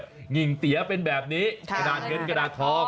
หงิ่งเตี๋ยเป็นแบบนี้กระดาษเงินกระดาษทอง